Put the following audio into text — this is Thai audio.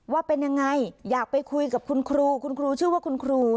ว่าเป็นยังไงอยากไปคุยกับคุณครูคุณครูชื่อว่าคุณครู